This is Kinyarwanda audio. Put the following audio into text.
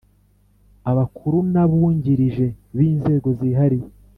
abakuru n ababungirije b inzego zihariye